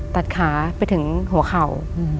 ตัดขาไปถึงหัวเข่า